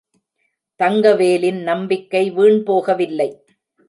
தங்கவேலின் நம்பிக்கை வீண்போகவில்லை.